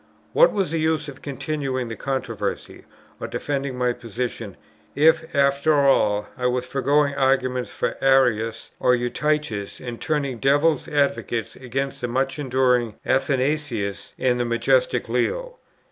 What was the use of continuing the controversy, or defending my position, if, after all, I was forging arguments for Arius or Eutyches, and turning devil's advocate against the much enduring Athanasius and the majestic Leo?